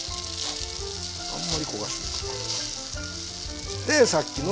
あんまり焦がしても。